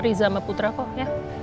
riza sama putra kok ya